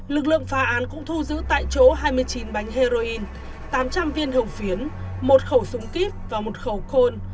lực lượng phá án cũng thu giữ tại chỗ hai mươi chín bánh heroin tám trăm linh viên hồng phiến một khẩu súng kíp và một khẩu khôn